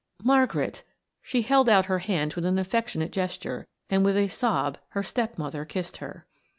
Margaret" she held out her hand with an affectionate gesture and with a sob her step mother kissed her.